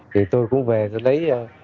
thì tôi cũng về lấy